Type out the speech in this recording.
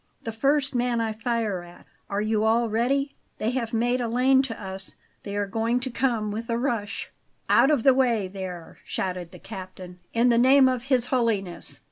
"The first man I fire at. Are you all ready? They have made a lane to us; they are going to come with a rush." "Out of the way there!" shouted the captain. "In the name of His Holiness!"